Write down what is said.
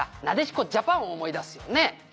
なでしこジャパンを思い出すよね」